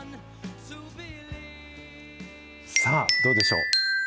さあ、どうでしょう。